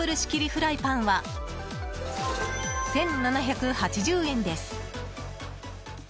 フライパンは１７８０円です。